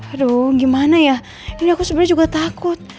aduh gimana ya ini aku sebenarnya juga takut